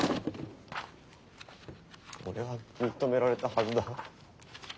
俺は認められたはずだ。